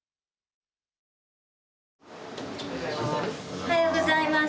おはようございます。